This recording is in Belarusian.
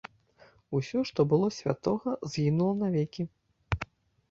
Усё, што было святога, згінула навекі.